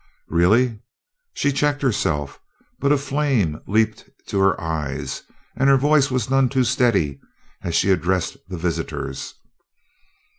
"Really? " She checked herself, but a flame leaped to her eyes, and her voice was none too steady as she addressed the visitors.